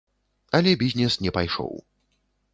Але бізнес не пайшоў.